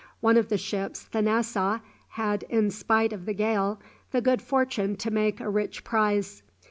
One of the ships, the "Nassau," had, in spite of the gale, the good fortune to make a rich prize.